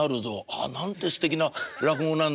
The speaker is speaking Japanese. ああなんてすてきな落語なんだ。